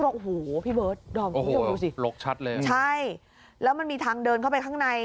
โอ้โฮ้พี่เบิร์ทบรอกดูสิใช้แล้วมันมีทางเดินเข้าไปข้างใน